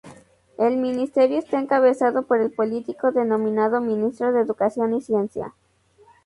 El ministerio está encabezado por el político denominado Ministro de Educación y Ciencia.